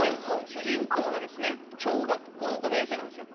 主人公が小学校５年生なんです。